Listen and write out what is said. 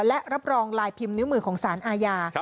และรับรองลายพิมพ์นิ้วมือของสารอาญา